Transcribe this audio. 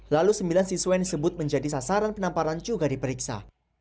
lalu sembilan siswa yang disebut menjadi sasaran penamparan juga diperiksa